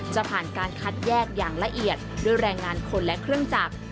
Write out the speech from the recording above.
จะผ่านการคัดแยกอย่างละเอียดด้วยแรงงานคนและเครื่องจักร